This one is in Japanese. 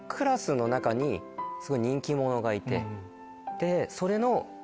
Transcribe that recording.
でそれの。